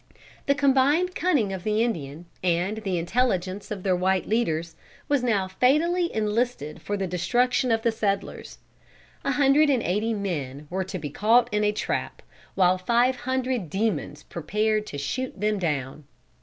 The combined cunning of the Indian, and the intelligence of their white leaders, was now fatally enlisted for the destruction of the settlers. A hundred and eighty men were to be caught in a trap, with five hundred demons prepared to shoot them down.